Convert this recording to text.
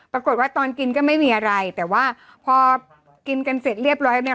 ตอนกินก็ไม่มีอะไรแต่ว่าพอกินกันเสร็จเรียบร้อยเนี่ย